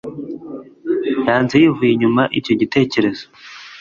yanze yivuye inyuma icyo gitekerezo